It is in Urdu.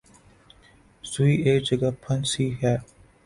سوئی ایک جگہ پھنسی ہے۔